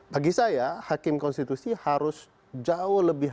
pagi saya hakim konstitusi harus jauh lebih jauh